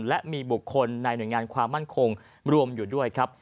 และมีบุคคลในหน่วยงานความมั่นคงรวมอยู่ด้วยครับ